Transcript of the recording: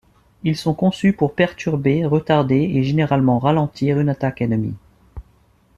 Ils sont conçus pour perturber, retarder et généralement ralentir une attaque ennemie.